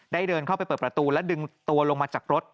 เดินเข้าไปเปิดประตูและดึงตัวลงมาจากรถ